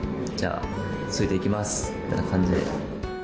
ついていきますみたいな感じで。